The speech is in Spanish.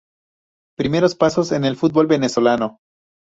Primeros pasos en el fútbol venezolano.